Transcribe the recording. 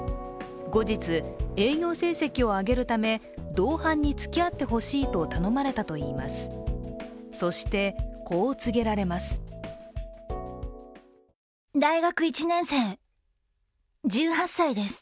後日、営業成績を上げるため、同伴に付き合ってほしいと頼まれたといいます。